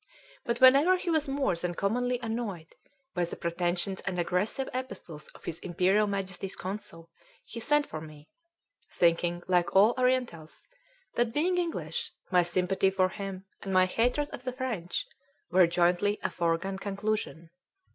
But whenever he was more than commonly annoyed by the pretensions and aggressive epistles of his Imperial Majesty's consul he sent for me, thinking, like all Orientals, that, being English, my sympathy for him, and my hatred of the French, were jointly a foregone conclusion.